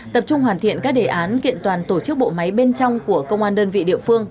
tập trung hoàn thiện các đề án kiện toàn tổ chức bộ máy bên trong của công an đơn vị địa phương